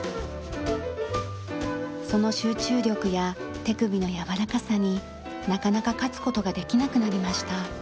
その集中力や手首の柔らかさになかなか勝つ事ができなくなりました。